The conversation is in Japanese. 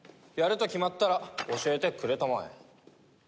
やると決まったら教えてくれたまえ。